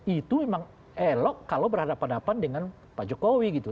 itu memang elok kalau berhadapan hadapan dengan pak jokowi gitu